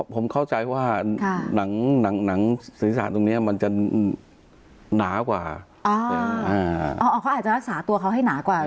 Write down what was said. ผมเข้าใจว่าหนังสินสารตรงนี้มันจะหนากว่า